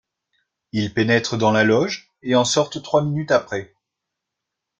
Ils pénètrent dans la loge, et en sortent trois minutes après.